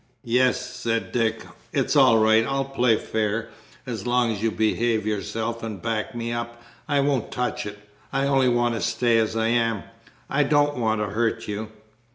"Yes," said Dick: "it's all right. I'll play fair. As long as you behave yourself and back me up I won't touch it. I only want to stay as I am. I don't want to hurt you."